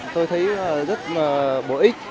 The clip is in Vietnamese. tôi thấy rất là bổ ích